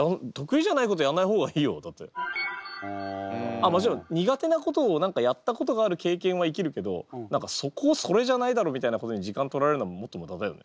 あっもちろん苦手なことをやったことがある経験は生きるけどそこをそれじゃないだろみたいなことに時間取られるのはもっと無駄だよね。